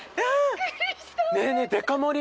ねえねえデカ盛り？